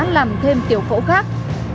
làm thêm tiểu phẫu khác